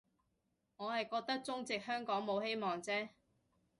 我係覺得中殖香港冇希望啫